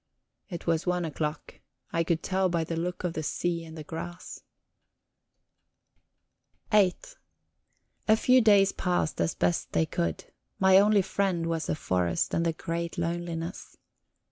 It was one o'clock; I could tell by the look of the sea and the grass. VIII A few days passed as best they could; my only friend was the forest and the great loneliness.